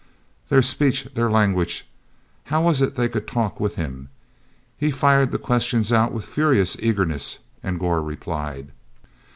Their speech—their language—how was it they could talk with him? He fired the questions out with furious eagerness, and Gor replied.